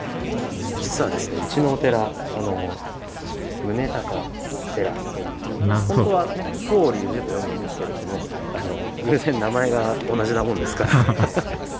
実は、うちのお寺、宗隆寺という、本当は、そうりゅうじと読むんですけど、偶然、名前が同じなもんですから。